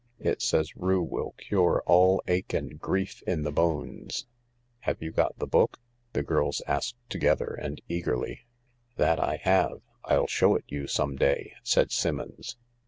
It says rue will cure all ache and grief in the bones." "Have you got the book ?" the girls asked together and eagerly. " That I have— I'll show it you some day," said Simmons.